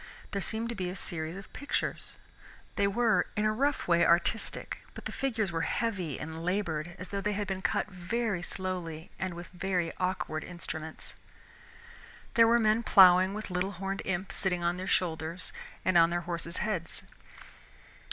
There seemed to be a series of pictures. They were, in a rough way, artistic, but the figures were heavy and labored, as though they had been cut very slowly and with very awkward instruments. There were men plowing with little horned imps sitting on their shoulders and on their horses' heads.